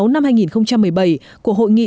năm hai nghìn một mươi bảy của hội nghị